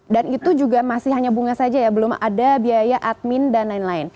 dan itu juga masih hanya bunga saja ya belum ada biaya admin dan lain lain